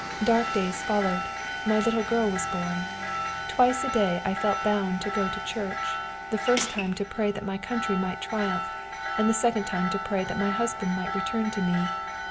Dark days followed. My little girl was born. Twice a day I felt bound to go to church the first time to pray that my country might triumph, and the second time to pray that my husband might return to me.